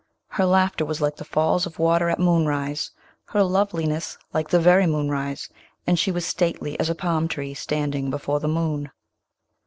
Her laughter was like the falls of water at moonrise; her loveliness like the very moonrise; and she was stately as a palm tree standing before the moon.